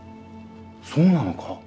そうなのか⁉